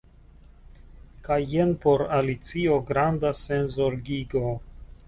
Kaj jen por Alicio granda senzorgigo.